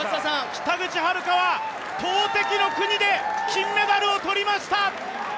北口榛花は投てきの国で金メダルを取りました！